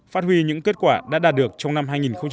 phát huy những kết quả đã đạt được trong năm hai nghìn một mươi chín